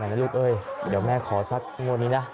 แม่ขอแม่นะลูกเอ้ยเดี๋ยวแม่ขอซัดขึ้นบนนี้นะ